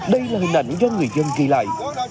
đây là hình ảnh do người dân ghi lại